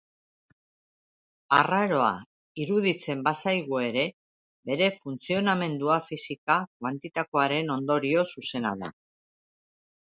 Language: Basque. Arraroa iruditzen bazaigu ere, bere funtzionamendua fisika kuantikoaren ondorio zuzena da.